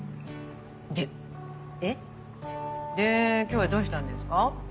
えっ？で今日はどうしたんですか？